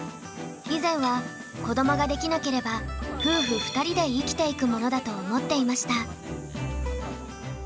以前は子どもができなければ夫婦２人で生きていくものだと思っていました。